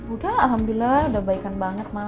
udah alhamdulillah udah baik an banget ma